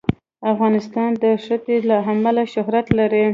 افغانستان د ښتې له امله شهرت لري.